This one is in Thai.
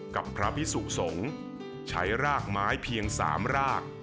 กับพระพิสุสงฆ์ใช้รากไม้เพียง๓ราก